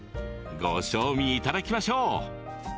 ご賞味いただきましょう。